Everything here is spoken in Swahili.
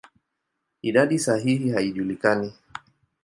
Idadi sahihi haijulikani.